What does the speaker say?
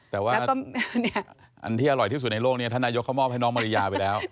แต่ว่าอันที่อร่อยที่สุดในโลกนี้ท่านนายกเขามอบให้น้องมาริยาไปแล้ว